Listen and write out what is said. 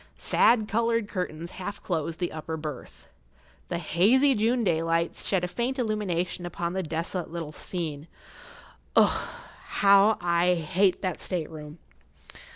Sad coloured curtains half closed the upper berth. The hazy June daylight shed a faint illumination upon the desolate little scene. Ugh! how I hate that state room!